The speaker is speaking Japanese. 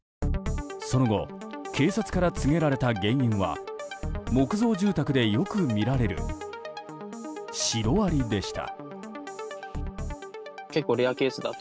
その後警察から告げられた原因は木造住宅でよく見られるシロアリでした。